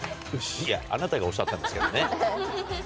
いやあなたがおっしゃったんですけどね。